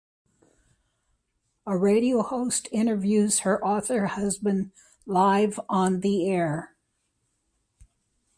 A radio host interviews her author husband live on the air.